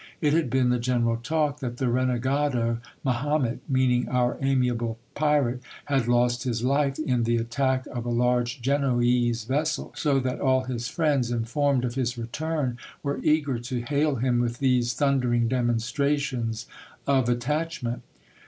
It had been the general talk that the renegado Mahomet, meaning our amiable pirate, had lost his life in the attack of a large Genoese vessel ; so that all his friends, informed of his return, were eager to hail him with these thundering demonstra tions of attachment.